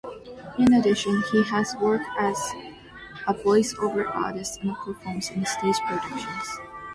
In addition, he has worked as a voice-over artist and performs in stage productions.